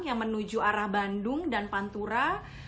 yang menuju arah bandung dan pantura